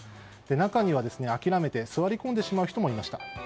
中には、諦めて座り込んでしまう人もいました。